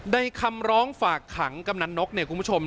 คำร้องฝากขังกำนันนกเนี่ยคุณผู้ชม